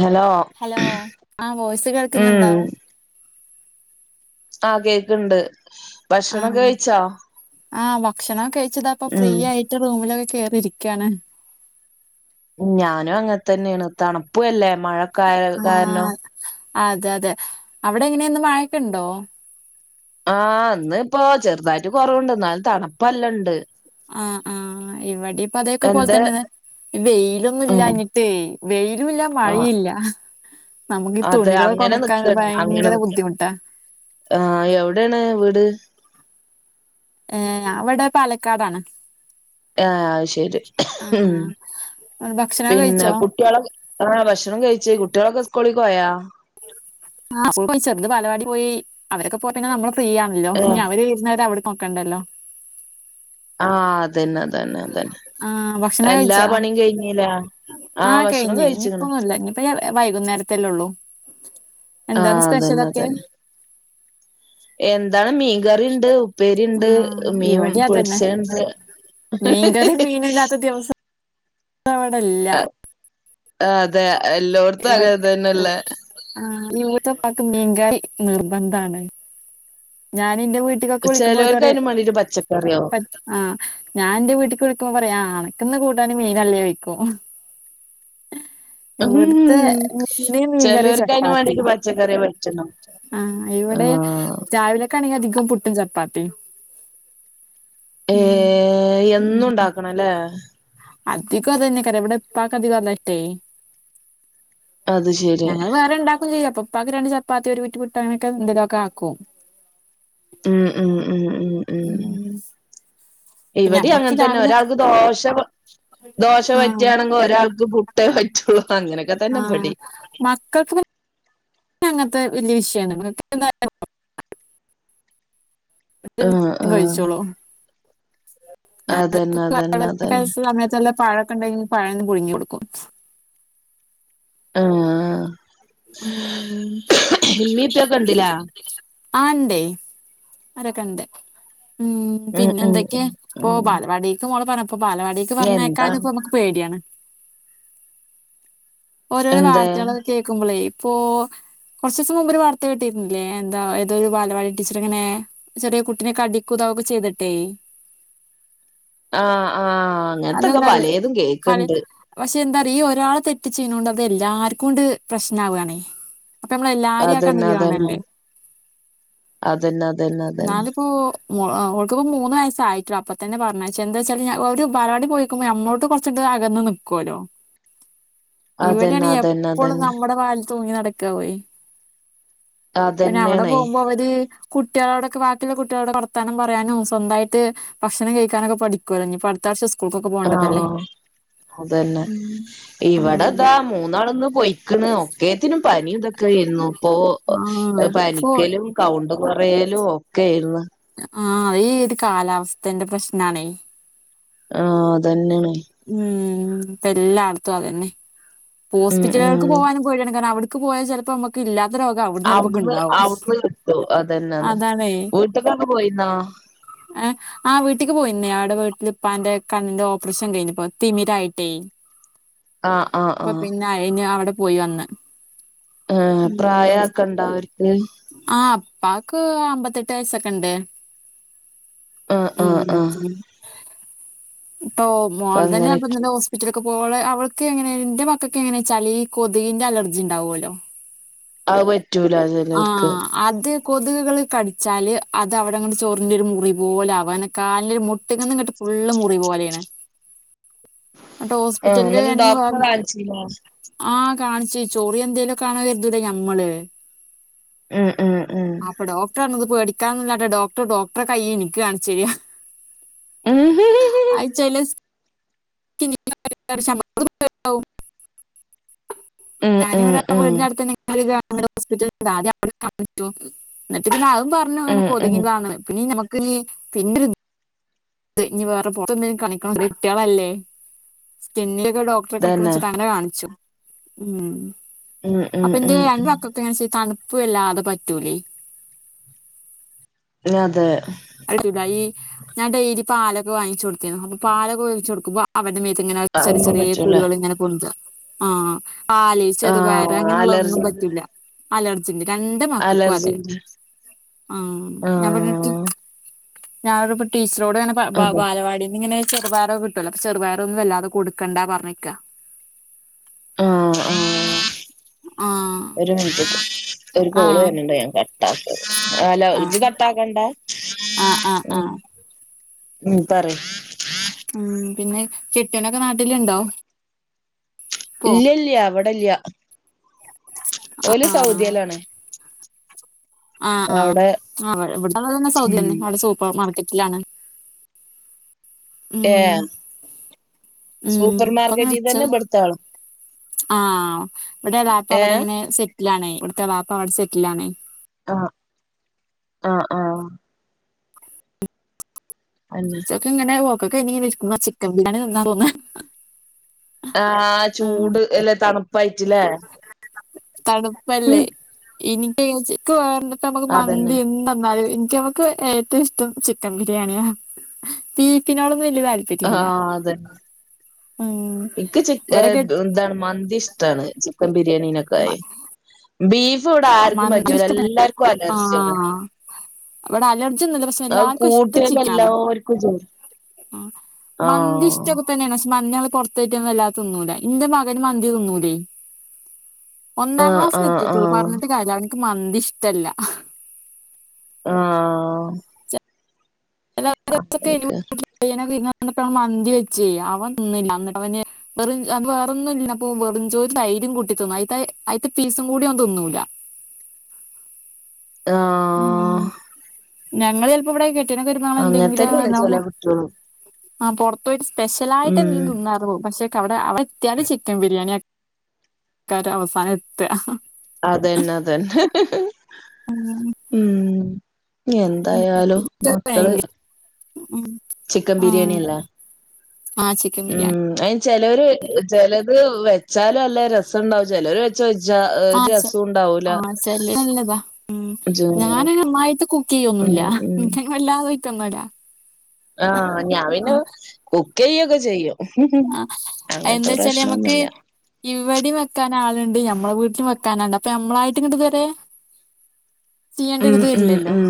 Hello hello ആ voice കേൾക്കുന്നുണ്ടോ? ആഹ് കേക്ണ്ട്. ആഹ് ആഹ് ഭക്ഷണോക്ക കഴിച്ച് ദാ ഇപ്പൊ ഫ്രീ ഉം ആയിട്ട് റൂമിലൊ കേറിയിരിക്കാണ്. ഞാനും അങ്ങൻ തന്നേണ് തണുപ്പുഅല്ലേ മഴക്കായ ആ കാരണം. അതെ അതെ അവിടെ എങ്ങനെ ഇന്ന് മഴക്കെണ്ടോ? ആഹ് ഇന്ന് ഇപ്പോ ചെറുതായിട്ട് കൊറവ്ണ്ട്. എന്നാലും തണുപ്പല്ല ണ്ട്. ആഹ് ആ ഇവടി ഇപ്പ അതെ യൊക്കെ പോൽ എന്താ തന്നെ വെയിലൊന്നും ഉം ഇല്ലാഞ്ഞിട്ടേ വെയ് ലു ഇല്ല ആഹ് മഴീല്ല. അതെ അങ്ങനെ നിക്കാണ് അങ്ങനെ ഭയങ്കര നിക്കാ. ബുദ്ധിമുട്ടാ ആഹ് എവിടെണ് വീട്? ഏഹ് ഞാൻ വടെ പാലക്കാടാണ്. ആഹ് ശരി ആ ഉം. ആ. ഭക്ഷണമൊക്കെ പിന്നെ കഴിച്ചോ കുട്ടികളൊ ആ ഭക്ഷണം കഴിച്ച്. കുട്ടിയേളൊക്കെ സ്കൂളിക്കോയോ? ആഹ് പോയി ചെറ്ത് ബാലവാടീ പോയി അവരൊക്കെ പോയിട്കയ്ഞാ നമ്മള് ഫ്രീ ആണല്ലോ ഇനി ഏഹ് അവര് വരുന്നവരെ അവട് നോക്കണ്ടല്ലോ ആഹ് അതന്നെ അതന്നെ അതന്നെ ആ എല്ലാ പണിയും കഴിഞ്ഞിലേ? ആഹ് കഴിഞ്ഞേ. ഇഞ്ഞിപ്പോന്നൂല്ല. ഇനിയിപ്പ വൈകുന്നേരത്തല്ലേ ഉള്ളൂ. എന്താണ് ആഹ് അതന്നെ സ്പെഷ്യലൊക്കെ അതന്നെ. എന്താണ് മീൻകറിയുണ്ട്, ഉപ്പേരി ണ്ട്, ആ മീൻ പൊരിച്ച ണ്ട്. മീൻ കറി മീനില്ലാത്ത ദിവസം ന്നും ഇവടല്ല. ആഹ് അതെ എല്ലോട്ത്തും അങ്ങനെ തന്നല്ലേ. ഇവട്ത്ത പ്പാക്ക്‌ മീങ്കറി നിർബന്ധാണ്. ഞാൻ ഇന്റെ വീട്ടിക്കൊക്കെ വിളിക്കുമ്പോ അവര് ചെലോർക്ക് അതിന് പറിം വേണ്ടിട്ട് പച്ചക്കറിയാവും പറ്റ് ആഹ് ഞാൻ ഇന്റെ വീട്ടിക്ക് വിളിക്കുമ്പോ പറയാ അണക്ക്ന്ന് കൂ ട്ടാന് മീനല്ലേ യ്ക്കും. ഇവിടുത്തെ ഉം മുഖ്യം മീൻ കറി ചെലോർക്ക് അതിന് ചപ്പാത്തി വേണ്ടിട്ട് പച്ചക്കറിയെ പറ്റുള്ളൂ ആ ഇവിടെ ആഹ് രാവിലൊക്കെ ആണെങ്കിൽ അധികം പുട്ടും ചപ്പാത്തി ഏ എന്നും ഉണ്ടാക്കണം ല്ലേ. അധികം അതന്നെക്കാരം ഇവടെ ഇപ്പാക് അധികം അതാഷ്ടേ. അത് ശരി ഞങ്ങള് വേറെ ഇണ്ടാക്കും ചെയ്യും അപ്പൊ ഉപ്പാക് രണ്ട് ചപ്പാത്തി ഒരു കുറ്റി പുട്ട് അങ്ങനൊക്കെ എന്തലൊക്കെ ആക്കും ഉം ഉം ഉം ഉം ഉം പിന്നെ ഇവിടെ അമ്മക്ക് അങ്ങനതന്നെ രാവിലൊക്കെ ഒരാൾക്ക് ദോഷ കോ ദോശ ആഹ് പറ്റുയാണെങ്കിൽ ഒരാൾക്ക് പുട്ടേ പറ്റുള്ളൂ അങ്ങനെയൊക്കെ തന്നെ ആഹ് ഇവിടേം മക്കൾക്ക് പിന്നെ അങ്ങനത്തെ വല്ല്യ വിഷയാണ് ആഹ് ആഹ് കഴിച്ചോളും ഞ അതന്നെ അതന്നെ അതന്നെ [unintelligible] സമയത്തല്ല പഴൊക്കെ ണ്ടെങ്കിൽ പഴന്ന് പുഴുങ്ങി ടുക്കും ആ ഉം ഉമ്മേം പ്പെയൊക്കെ ണ്ട് ലെ ആ ണ്ടെ അവരക്കെ ണ്ട് ഉം പിന്നെ ഉം എന്തൊക്കെ ഉം ഇപ്പൊ ഉം ബാലവാടിക്ക് മോളെ പറ ഇപ്പ ബാലവാടിക്ക് പറഞ്ഞക്കാന് എന്താണ് ഇപ്പോ നമക്ക് പേടിയാണ് ഓരോരോ എന്തേ വാർത്തകൾ കേൾക്കുമ്പോളേ ഇപ്പൊ കുറച്ച് ദിവസം മുമ്പ് ഒരു വാർത്ത കിട്ടിയിരുന്നില്ലേ എന്താ ഏതോ ഒരു ബാലവാടി ടീച്ചർങ്ങനെ ചെറിയ കുട്ടിനെ കടിക്കു ത ചെയ്തിട്ടേ ആ ആ അങ്ങനത്തൊക്കെ അതെന്താ അറിയോ പലേതും കേക്ക്ണ്ട് ചെയ്യുനോണ്ട് അത് എല്ലാർക്കും കൊണ്ട് പ്രശ്നമാവുണേ അപ്പൊ നമ്മള് എല്ലാരേം ആ അതന്നെ കണ്ണിൽ അതന്നെ ക്കാണല്ലേ അതന്നെ അതന്നെ അതന്നെ ഞാനിപ്പോ മോ ഓൾക്കിപ്പോ മൂന്ന് വയസ്സായി അപ്പൊ തന്നെ പറഞ്ഞച്ചേ എന്താെച്ചാല് ഒരു ബാലവാടി പോയിക്കുമ്പോ അമ്മോട്ട് കുറച് അകന്ന് നിക്കല്ലോ അതന്നെ ഇവിടെയാണ് അതന്നെ എപ്പളും അതന്നെ നമ്മുടെ വാല് തൂങ്ങി നടക്കാവുയ് പിന്നെ അവിടെ അതന്നേണേ പോകുമ്പോ അവര് കുട്ടികളോടൊക്കെ വീട്ടിലെ കുട്ടികളോട് വർത്താനം പറയാനും സ്വന്തായിട്ട് ഭക്ഷണം കഴിക്കാനൊക്ക പഠികോല്ലോ ഇനി അടുത്ത ആഴ്ച ആ അതന്നെ ഉം ഇ ഇവിട ഉം താ മൂന്നാള് ന്ന് പൊയ്ക്കണ് ഒക്കെത്തിനും പനി ഇതൊക്കെ ഒക്കെ ആരുന്നു ഇപ്പോ ആഹ് ഇപ്പൊ പനിക്കലും കൗണ്ട് കുറയലും ഒക്കെ ആയിരുന്നു ആ ഈ ഒരു കാലാവസ്ഥന്റെ പ്രശ്നാണെ ആ അതന്നെണ് ഉം ഇപ്പ എല്ലാടത്തും അതന്നെ ഉം ഹോസ്പിറ്റലുകൾക്ക് ഉം പോവാനും പേടിയാണ് കാരണം അവിടെ പോയാ ചിലപ്പോ നമുക്ക് ഇല്ല അവിടുന്ന് അവിടുന്ന് കിട്ടും അതന്നാന്ന് വീട്ട്ക്കണ്ട് പോയിന്നോ എ ആ വീട്ടിക്ക് പോയിന്നേ അവിടെ വീട്ടിൽപ്പാന്റെ കണ്ണിന്റെ ഓപ്പറേഷൻ കഴിഞ്ഞുകുണ് തിമിരായിട്ടേ ആ അപ്പൊ പിന്ന അയിന് അവിടെ പോയി വന്ന് ആ ഉം പ്രായാക്കെ ണ്ടാ ആ പ്പാക്ക് അമ്പത്തട്ട് വയസൊക്കെ ഇണ്ട് ആഹ് ആഹ് ആഹ് ഉം ഇപ്പോ അപ്പ മോൻ തന്നയാ അങ്ങനെയൊക്കെ പ്പോ ഹോസ്പിറ്റല്ക് പ്പോള് അവൾക്ക് എങ്ങനെ ന്റെ മക്കൾക്ക്‌ എങ്ങനെ ച്ചാൽ ഈ കൊത്കിന്റെ അലർജി ണ്ടാവോലോ അ പറ്റൂല ചലോർക്ക് കള് കടിച്ചാല് അത് അവിടങ്ങനെ ചോറിഞ് ഒരു മുറി പോലെ ആവാന് കാൽ മുട്ട്ങ്ങന്ന്ട്ട് ള്ള മുറി പോലെയാണ് എന്നട്ട് ആഹ് ഹോസ്പിറ്റലില് എന്നിട്ട് ഡോക്ടറെ പറഞ്ഞ് കാണിച്ചില്ല ആ കാണിച്ചച്ച് ചോറി എന്തേലുക്കാണ് കരുതല്ലേ നമ്മള് ഉം ഉം ഉം അപ്പ ഡോക്ടറർഞ്ഞ് കൊത് പേടിക്കാന്നല്ലാട്ടെ ഡോക്ടർ ഡോക്ടറെ കയ്യ് എനിക്ക് കാണ്ച്ചെര ഉം ആയി ചെലസ് എൻ എൻ ച അവു ഉം ഞാനരാ ഉം ഉം വീട് നട്ത്ത് ഹോസ്പറ്റലാദ്യ വ്ടെ കാണിച്ചു എന്നിട്ട് പിന്നെ അതും പറഞ്ഞു അങ്ങനെ ഉം ഉം കൊതുകിൻ്റാണ് പിന്ന നമക്ക് പിന്ന അ ഇഞ്ഞ് വേറെ പുറത്തന്നെലും കണിക്കണം കുട്ട്യാളല്ലേ സ്കിന്ന് ഡോക്ടറെ തന്നെ കാൺച്ചിട്ടങ്ങനെ കാണിച്ചു ഉ ഉം ഉം അപ്പൊ എന്റെ ഉം രണ്ട് ഉം മക്കൊക്കെങ്ങനെ ചെ- തണ് പ്പ് പ്പ വല്ലാതെ പറ്റൂലേ അതെ [unintelligible] ഈ ഞാൻ ഡെയിലി പാലൊക്കെ വാങ്ങിച്ചു കൊട്ത്തീന്നു അപ്പൊ പാലൊക്കെ വേങ്ങിച്ചു കൊടുക്കുമ്പോ അവന്റെ മേത്ത് ങ്ങനെ ചെറിയ അതൊന്നും ചെറിയ പറ്റൂല കുര്കൾ ഇങ്ങനെ പൊന്താ ആ പാല് ചെറുപയർ ആഹ് അങ്ങനെള്ള കൊന്നും അലർജി പറ്റൂല്ല അലർജന്റീ രണ്ട് മക്കൾക്കും അതെ അലർജിന്റെ ആ ഞാൻ പറഞ്ഞിട്ട് ആഹ് ഞാനപ്പ ടീച്ചറോട് ഇങ്ങനെ അതെ ബാലവാടിന്ന് ഇങ്ങനെ ചെറുപയരോ കിട്ടുവല്ല അപ്പ ചെറുപയര ഒന്നും വല്ലാതെ കൊടുക്കേണ്ടാ പറഞ്ഞിക്ക ആ ആഹ് ഒരു മിനി ഒരു കോള് ആഹ് വര്ണ് ണ്ട് ഞാൻ കട്ടാക്കാ ലോ ഇജ കട്ടാക്കണ്ട ആഹ ആഹ ഉം ആഹ ഉം പറി ഉം പിന്നെ കെട്ട്യോനൊക്കെ നാട്ടിലുണ്ടോ പോ ഇല്ല ഇല്ല ഇവിടല്ല്യ ഓല് സൗദ്യേലാണേ ആഹ ആ് ഇവിടെള്ളാള് തന്നെ സൗദ്യയംന്നെ ഉം അവിടെ സൂപ്പർ മാർക്കറ്റിലാണ് ഏ ഉം ഉം സപ്പർമാർക്കറ്റീതന്നെ ബടുത്താളും ആഹ ഇവിടെ വാപ്പ ഏഹ് അവിടെങ്ങനെ സെറ്റിലണേ ഇവിടുത്തെ വാപ്പ അവിടെ സെറ്റിലാണേ ആഹ ആഹ ആഹ അന്നെ ചൊക്കങ്ങനെ പോക്കക്കെയ്ഞ്ഞിർക്ക്മ്പോ ചിക്കൻ ബിരിയാണി തിന്നാ തോന്നാ ആ് ഉം ചൂട് അല്ലെ തണുപ്പായിട്ടില്ലേ തണുപ്പല്ലേ ഇനി ഏ ക്ക് വേണ്ട നമുക്ക് അതന്നെ മന്തി എന്തെന്നാലും എ നമക്ക് ഏറ്റവും ഇഷ്ടം ചിക്കൻ ബിരിയാണിയാ തീക്കിനോ വല്യ താല്പര്യില്ല എനിക്ക് ച എന്താണ് മന്തി ഇഷ്ടാണ് ചിക്കൻ ബിരിയാണിനെക്കാളിം മന്ത [unintelligible] അലർജിയാണ് ആഹ അവിടെ അലർജിന്ന്ള്ള പക്ഷെ അത് എല്ലാർക്കും ഇഷ്ടം കൂട്ടിയാല് ചിക്കനാണ് എല്ലാവർക്കും ജോലി ആ ആഹ് മന്തിഷ്ടകത്തന്നേ ണ് മഞ്ഞള് പൊർത്തോയ്റ്റന്നല്ലാതെ തിന്നൂല ഇന്റെ മകന് മന്തി തിന്നൂലേ ഒന്നാം ആഹ് ക്ലാസ്സ് ല് എത്തിട്ടൊള്ളു ആഹ് പറഞ്ഞിട്ട് കാര്ല്ല അവനിക്ക് മന്തി ഇഷ്ടല്ല ആഹ പ്പോ മന്തി വെച്ച് അവൻ തിന്നില്ല എന്നിട്ട് അവൻ വെറ അത് വേറൊന്നും ഇല്ല അപ്പോ വെറുംഞ്ചോറ് ഓന് തൈരും കൂട്ടി തിന്നും അയ്ത്തെ അയ്ത്തെ പീസും കൂടി ഓൻ തിന്നൂല്ല ആ ഉം ഞങ്ങള് ചിലപ്പോ ഇവിടെ കെട്ടനക്കെ ഒരു തന്നെയാണ് ചെല എന്തെങ്കിലും കുട്ടികളും ആ പൊർതോയിട്ട് സ്പെഷ്യലായിട്ട് ഉം തി തിന്നാറു പക്ഷേ കവിടെ അവടെ എത്തിയാല് ചിക്കൻ ബിരിയാണിക്ക ആക്കാര അവസാനം എത്തി അതന്നെ അതന്നെ ഹ് ഹ് ഉം എന്തായാലും മക്കള് ഉം ചിക്കൻ ബിരിയാണി അല്ലേ ആ ചിക്കൻ ഉം ബിരിയാണി അതിന് ചെലര് ചിലത് വെച്ചാലും നല്ല രസംണ്ടാവും ചിലര്വെച്ച ഹ് ആ ചെ രസു ണ്ടാവ ആ ശ നല്ലതാ ഉ ഞാന അയിൻ നന്നായികുക്ക് ഉം ചെയ്യൊന്നുംല്ല ല്ലാത കമട ആഹ ഞാവിന കുക്കെയ്യൊക്കെ ചെയ്യും ആ അങ്ങനത്തെ എന്താച്ചല് നമ്ക്ക് പ്രശ്നൊന്നുല്ല ഇവിടെയും വെക്കാൻ ആളുണ്ട് ഞമ്മളെ വീട്ടിലും വെക്ക ക്കാനണ്ട് അപ്പൊ നമ്മളായിട്ട് ഇങ്ങട്ടതുരെ ഉം ഉം ഉം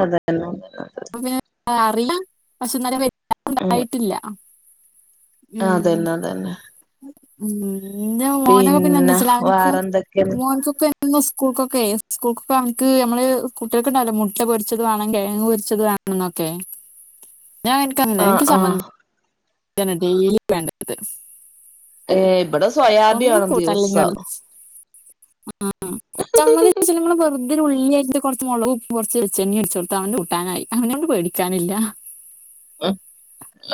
അത പിന്നെ അറിയാം പക്ഷെന്നര ഉം വെക്കൻണ്ടായിട്ടില്ല അതന്നെ അതന്നെ ന്റെ മോനൊക്കെ പിന്നെ പിന്നെന്താനെച്ച അവൻക്ക് വേറെന്തൊക്കെയാണ് മോൻക്കൊക്കെ ന്ന് സ്കൂൾക്കൊക്കെ സ്കൂക്കൊക്കെമുക്ക് നമ്മള് കുട്ടികൾക്കെണ്ടാവല്ലോ മുട്ട പൊച്ചത് വേണം കഴങ് പരിച്ചത് വേണം ആന്നക്ക ഞാൻ എനിക്കന്ന ആഹ് എനിക്ക് ആഹ് ചമ്മന്ദി ഡേലി വേണ്ടത് ഏ ഇവിടെ സ്വയാബി ഒന്നും ആണ ദിവസ ആആ ച്ചമ്മതിച്ചെന്ന്പർഞ്ഞു അ ഉുള്ളിന്റെ കുറച്ച് മുളക് കുറച്ച് ചെമ്മെന്ദി അടിച്ച കൊടുത്ത് അവന്റെ കൂട്ടാനായി അവന പേടിക്കാനില്ല ഏ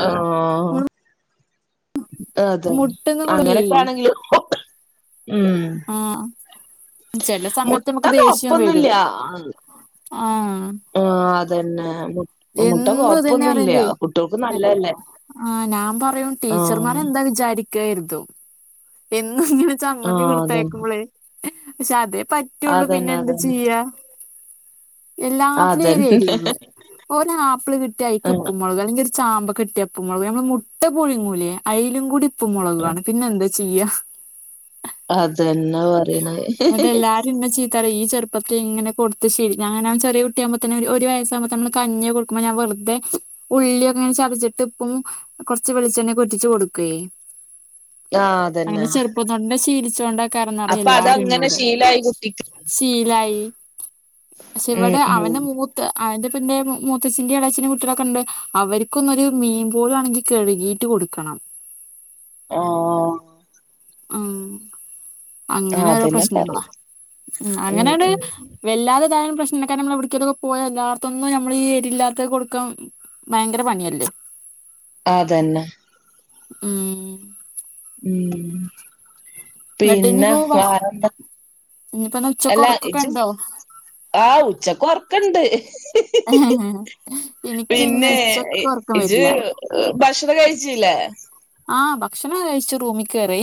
ആ ആ അതെ മുട്ട്ന്ന് കൊണ്ടേ അങ്ങനെയൊക്കെ ആണെങ്കിൽ ആ ചെലേ സമയത്ത് മുട്ട നമുക്ക് ദേഷ്യം കൊഴപ്പൊന്നുല്ല വരും ആഹ ആഹ അതന്നെ മുട്ട എന്നും കൊഴപ്പൊന്നുംല്ല കുട്ടികൾക്ക് നല്ലല്ലേ ആ ഞാൻ പറയും ടീച്ചർമാരെന്താ വിചാരി ഇക്കാര്ത്തും എന്നുംങ്ങനെ ചമ്മന്തി ആഹ് അതന്നെ കൊടുത്തയക്കുമ്പള് പഷേ പറ്റുള്ളൂ പിന്നെ അതന്നെ എന്താ ചെയ്യാ എല്ലാത്തിലും അതന്നെ എരിയള്ളൂ ഓരോ ആപ്പിള് കിട്ട്യാ അയ്ൽക്ക്‌ അതന്നെ ഉപ്പും മുളക് അല്ലെങ്ക ചാമ്പ കിട്ടിയ പ്പും മുളക് നമ്മൾ മുട്ട പൊഴുങ്ങൂലേ അയ്ലും കൂടി ഉപ്പും മുളകുവാണ് പിന്നെ എന്ത ചെയ്യ അതെന്നാ പറീണെ ഹി ഹി ന്നിട്ട് എല്ലാരും ഇന്നെ ഈ ചെറുപ്പത്തിങ്ങനെ കൊടുത്ത് ശീലി ഞാനാണേ ചെറിയട്ടിയകുമ്പോത്തന്നെ ഒരു വയസക്പതന്നെ ഒര് വയസാകുമ്പോ തന്നെ കഞ്ഞി കൊടുക്കുംമ്പോ വെറുതെ ഉള്ളിക്കെ ഇങ്ങനെ ചതച്ചിട്ട് ഇപ്പും കൊറച്ച് വെളിച്ചെണ്ണ ഒക്കെ ഒറ്റിച്ച് കൊടുക്കയേ ആഹ അതന്നെ ക്കാരന്നറിയാം അപ്പൊ എല്ലാരും അതങ്ങനെ ഇന്നോട് ശീലായി കുട്ടിക്ക് ശീലായി പക്ഷെ ഇവിടെ ഉം അവന ഉം മൂത്ത് അത് പിന്നെ മുത്തച്ഛന്റെ ഇളയച്ഛന്റെ കുട്ടികളൊക്കെണ്ട് അവർക്കൊന്നും ഒരു മീൻ പോലു അനങ്ങീട്ട് കഴുകിട്ട്പോലും കൊടുക്കണം ആഹ ഹ അങ്ങനെ ഓരോ അതന്നെ പറയ പ്രശ്നങ്ങളാ ഉം അങ്ങനാണ് ഉം വല്ലാതെ താൻ പ്രശ്നക്കാര്നമ്മള എവിടേലൊക്ക പോയാ എല്ലാത്തന്നും നമ്മള് ഈരില്ലാത്ത കൊടുക്കാം ഭയങ്കര പണിയല്ലേ ആതന്നെ ഉം ഉം പിന്ന വേറെന്താ ഇനിപ്പോ ന്ന ഉച്ചക്ക് ഒറക്കൊക്കെ ഇണ്ടോ? ആ ഉച്ചക്കൊറക്ക്‌ണ്ട് എനിക്ക് ഇന്ന് പിന്നെ ഉച്ചക്ക് ഉറക്കം ഇജ് വരില്ല ഭക്ഷണം കഴിച്ചില്ലേ ആ ഭക്ഷണം കഴിച്ചു റൂമി കേറി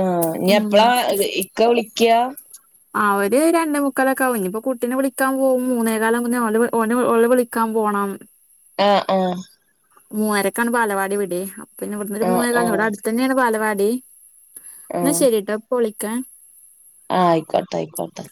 ആ ഞാ ഉം എപ്പളാ ഇക്ക വിളിക്ക്യാ അവര് രണ്ടേ മുക്കാലൊക്കാവും ഇനിപ്പോ കുട്ടീനെ വിളിക്കാൻ പോവും മൂന്നേ കാലാവുമ്പൊ ഓലെ ഓനെ ഓളെ വിളിക്കാൻ പോവും പോണം ആ ആ മൂന്നരക്കാണ് ബാലവാടി വിടെ അപ്പിന്നെ ഇവിടുന്നൊരു ആഹ് മൂന്നെകാലിന് വിടെ ആഹ് അടുത്തെന്നെയാണ് ബാലവാടി എന്നാ ശരിട്ടാ ഇപ്പൊ വിളിക്ക ആ ആയ്ക്കോട്ടെ ആയ്ക്കോട്ടെ